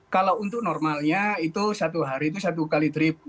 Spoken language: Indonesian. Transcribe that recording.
kalau untuk normalnya itu satu hari itu satu kali tribu